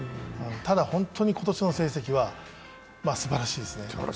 ただ、本当に今年の成績はすばらしいですね。